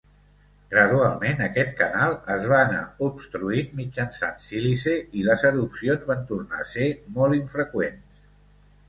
Gradualment, aquest canal es va anar obstruint mitjançant sílice, i les erupcions van tornar a ser molt infreqüents.